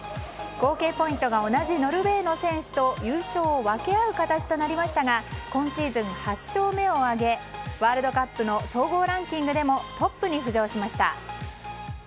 合計ポイントが同じノルウェーの選手と優勝を分け合う形となりましたが今シーズン８勝目を挙げ総合ランキングでもトップに浮上しました。